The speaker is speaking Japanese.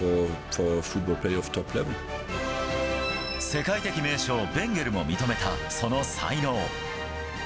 世界的名将、ベンゲルも認めたその才能。